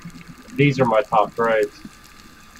These are my top grades.